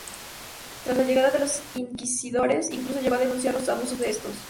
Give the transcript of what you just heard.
Tras la llegada de los inquisidores, incluso llegó a denunciar los abusos de estos.